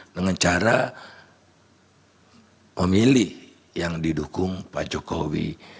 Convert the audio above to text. dengan cara pemilih yang didukung pak jokowi